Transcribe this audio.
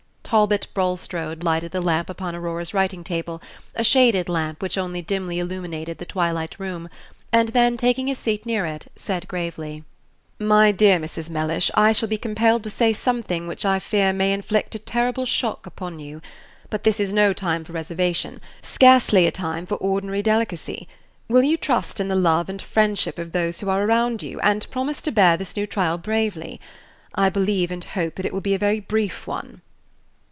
Talbot Bulstrode lighted the lamp upon Aurora's writing table a shaded lamp, which only dimly illuminated the twilight room and then, taking his seat near it, said gravely: "My dear Mrs. Mellish, I shall be compelled to say something which I fear may inflict a terrible shock upon you. But this is no time for reservation scarcely a time for ordinary delicacy. Will you trust in the love and friendship of those who are around you, and promise to bear this new trial bravely? I believe and hope that it will be a very brief one."